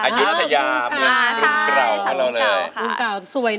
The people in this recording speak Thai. อยุทธยาเพียงเกลาเขาเลยครับค่ะอยุทธยา